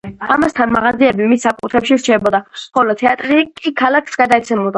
ამასთან, მაღაზიები მის საკუთრებაში რჩებოდა, ხოლო თეატრი კი ქალაქს გადაეცემოდა.